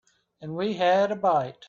And we had a bite.